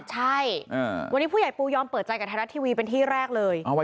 ใช่วันนี้ผู้ใหญ่ปูยอมเปิดใจกับไทยรัฐทีวีเป็นที่แรกเลย